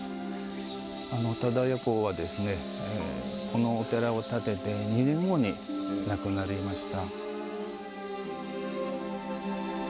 忠世公はこのお寺を建てて２年後に亡くなりました。